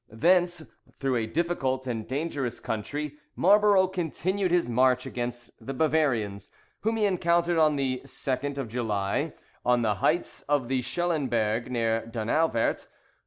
Thence, through a difficult and dangerous country, Marlborough continued his march against the Bavarians, whom he encountered on the 2d of July, on the heights of the Schullenberg near Donauwert.